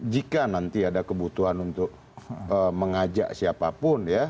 jika nanti ada kebutuhan untuk mengajak siapapun ya